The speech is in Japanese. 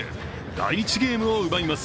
第１ゲームを奪います。